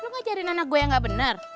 lu ngajarin anak gua yang gak bener